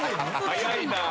早いなあ。